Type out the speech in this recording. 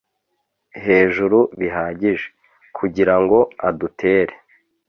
Hejuru bihagije kugirango adutere